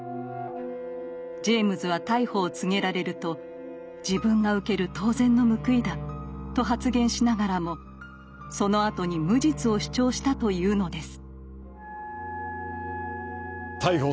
ジェイムズは逮捕を告げられると「自分が受ける当然の報いだ」と発言しながらもそのあとに無実を主張したというのです。